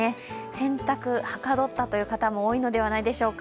洗濯、はかどったという方も多いのではないでしょうか。